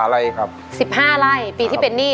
อะไรครับ๑๕ไร่ปีที่เป็นหนี้